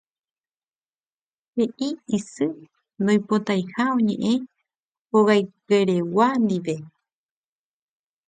he'i isy ndoipotaiha oñe'ẽ hogaykeregua ndive